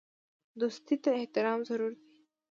دوستۍ ته احترام ضروري دی.